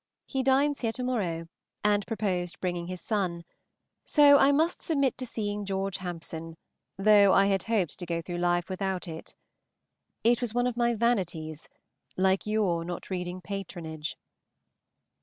He dines here to morrow, and proposed bringing his son; so I must submit to seeing George Hampson, though I had hoped to go through life without it. It was one of my vanities, like your not reading "Patronage."